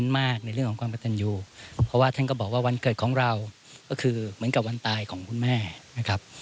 เพราะว่าท่านก็บอกว่าวันเกิดของเราก็คือเหมือนกับวันตายของคุณแม่นะครับ